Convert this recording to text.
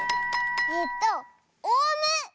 えっとオウム！